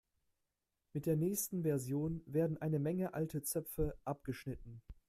Mit der nächsten Version werden eine Menge alte Zöpfe abgeschnitten.